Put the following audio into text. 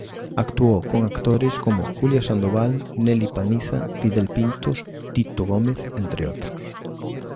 Actuó con actores como Julia Sandoval, Nelly Panizza, Fidel Pintos, Tito Gómez, entre otros.